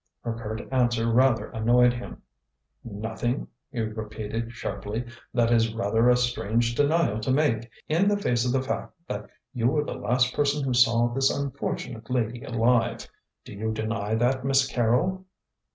Her curt answer rather annoyed him. "Nothing," he repeated sharply. "That is rather a strange denial to make, in the face of the fact that you were the last person who saw this unfortunate lady alive. Do you deny that, Miss Carrol?"